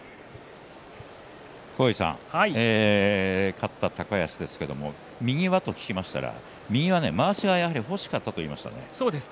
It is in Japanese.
勝った高安ですが右はと聞きましたら右はまわしがやはり欲しかったと答えました。